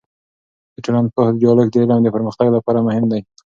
د ټولنپوه ديالوګ د علم د پرمختګ لپاره مهم دی.